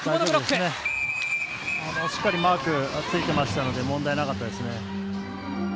しっかりマークついてましたので問題なかったですね。